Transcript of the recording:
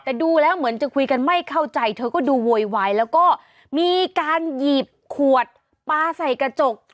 แต่ดูแล้วเหมือนจะคุยกันไม่เข้าใจเธอก็ดูโวยวายแล้วก็มีการหยิบขวดปลาใส่กระจก